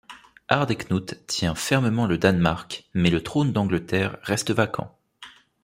Hardeknut tient fermement le Danemark, mais le trône d’Angleterre reste vacant.